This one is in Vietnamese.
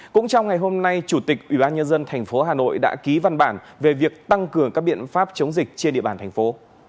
cũng trong ngày hôm nay chủ tịch ubnd tp hà nội đã ký văn bản về việc tăng cường các biện pháp chống dịch trên địa bàn thành phố